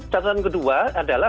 catatan kedua adalah